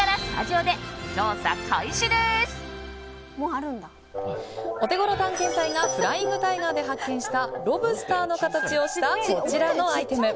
オテゴロ探検隊がフライングタイガーで発見したロブスターの形をしたこちらのアイテム。